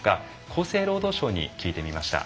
厚労省に聞いてみました。